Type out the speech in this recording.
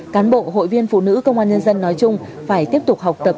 cán bộ hội viên phụ nữ công an nhân dân nói chung phải tiếp tục học tập